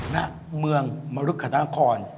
ณเมืองมรึกษาคร